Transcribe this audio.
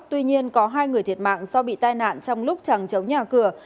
tuy nhiên có hai người thiệt mạng do bị tai nạn trong lúc chẳng chống nhà cửa